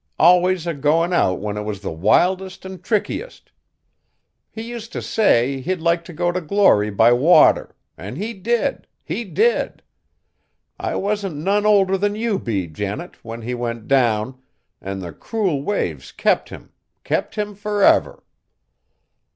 Always a goin' out when it was the wildest an' trickiest! He use t' say, he'd like t' go to glory by water, an' he did, he did! I wasn't none older than you be, Janet, when he went down, an' the cruel waves kept him, kept him forever!"